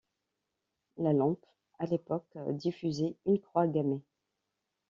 La lampe, à l'époque diffusait une croix gammée.